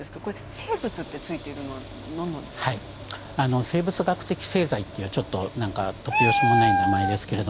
生物と付いているのは生物学的製剤というちょっと突拍子もない名前ですけれど